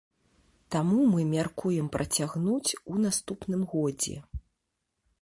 Таму мы мяркуем працягнуць у наступным годзе.